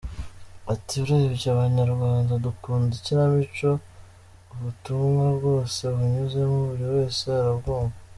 Ati “ Urebye abanyarwanda dukunda ikinamico, ubutumwa bwose bunyuzemo buri wese arabwumva.